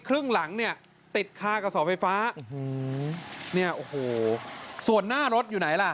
ครึ่งหลังติดฆ่ากับเสาไฟฟ้าส่วนหน้ารถอยู่ไหนล่ะ